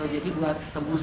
jadi buat tebus